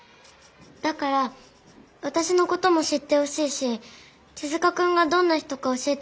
だからわたしのことも知ってほしいし手塚くんがどんな人か教えてほしい。